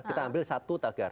kita ambil satu tagar